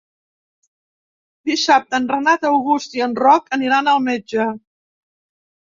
Dissabte en Renat August i en Roc aniran al metge.